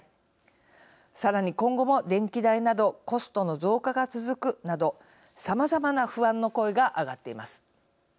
さらに今後も電気代などコストの増加が続くなどさまざまな不安の声が上がっています。